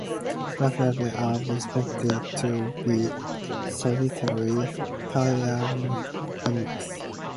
Black duiker are reported to be solitary, territorial animals.